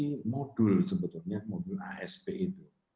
ini modul sebetulnya modul asp itu